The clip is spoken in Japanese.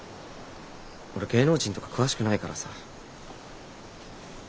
俺芸能人とか詳しくないからさ。